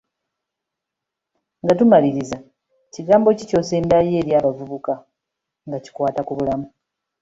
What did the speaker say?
Nga tumaliriza, kigambo ki ky'osembyayo eri abavubuka nga kikwata ku bulamu?